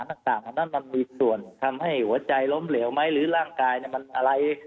ต่างทั้งนั้นมันมีส่วนทำให้หัวใจล้มเหลวไหมหรือร่างกายมันอะไร